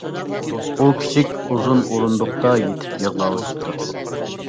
ئۇ كىچىك ئۇزۇن ئورۇندۇقتا يېتىپ يىغلاۋېتىپتۇ.